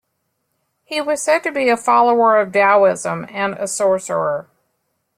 He was said to be a follower of Taoism and a sorcerer.